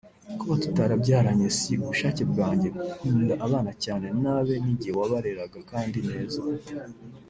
Kuba tutarabyaranye si ubushake bwanjye nkunda abana cyane n’abe ni jye wabareraga kandi neza